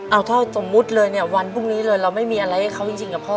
เอาถ้าสมมุติเลยเนี่ยวันพรุ่งนี้เลยเราไม่มีอะไรให้เขาจริงกับพ่อ